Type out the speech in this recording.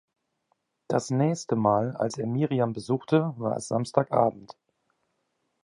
Das nächste Mal, als er Miriam besuchte, war es Samstagabend.